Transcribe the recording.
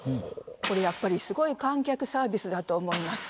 これやっぱりすごい観客サービスだと思います。